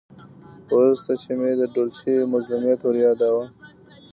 ورسته چې مې د ډولچي مظلومیت وریاداوه.